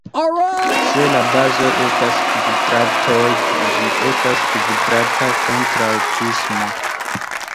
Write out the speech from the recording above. Se la bazoj estas kvadratoj ĝi estas kvadrata kontraŭprismo.